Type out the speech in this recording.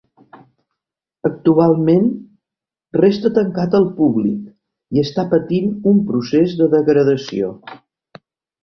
Actualment resta tancat al públic i està patint un procés de degradació.